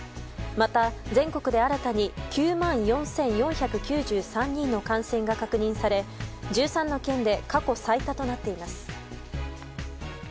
また、全国で新たに９万４４９３人の感染が確認され、１３の県で過去最多となっています。